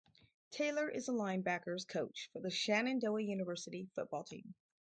Taylor is a linebackers coach for the Shenandoah University football team.